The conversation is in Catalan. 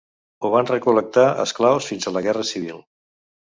Ho van recol·lectar esclaus fins a la Guerra Civil.